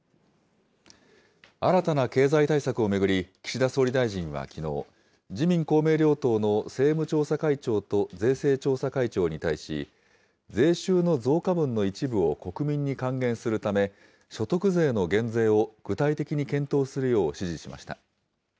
新たな経済対策を巡り、岸田総理大臣はきのう、自民、公明両党の政務調査会長と税制調査会長に対し、税収の増加分の一部を国民に還元するため、所得税の減税を具体的に検討するよう指示しました。